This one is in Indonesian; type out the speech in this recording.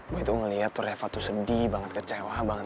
boy tuh ngeliat tuh reva tuh sedih banget kecewa banget